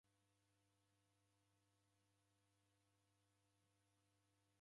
Mwasikira agha ghatokea Josa?